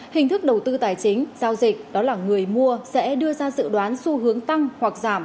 hình thức đầu tư tài chính giao dịch đó là người mua sẽ đưa ra dự đoán xu hướng tăng hoặc giảm